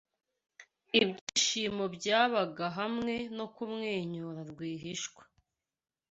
Ibyishimo byibanga hamwe no kumwenyura rwihishwa